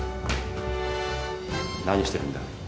何してるんだ。